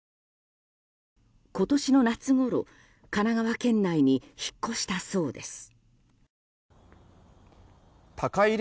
今年の夏ごろ、神奈川県内に引っ越したそうです。